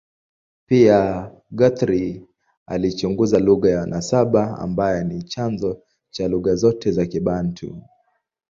Pia, Guthrie alichunguza lugha ya nasaba ambayo ni chanzo cha lugha zote za Kibantu.